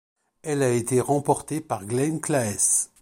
Elle a été remportée par Glenn Claes.